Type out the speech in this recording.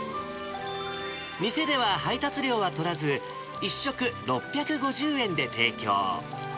店では配達料は取らず、１食６５０円で提供。